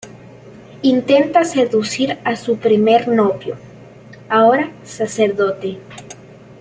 Intenta seducir a su primer novio, ahora sacerdote.